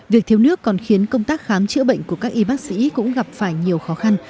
việc thiếu nước còn khiến công tác khám chữa bệnh của các y bác sĩ cũng gặp phải nhiều khó khăn